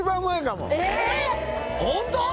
ホント？